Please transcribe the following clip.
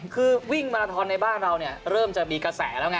คือวิ่งมาราทอนในบ้านเราเนี่ยเริ่มจะมีกระแสแล้วไง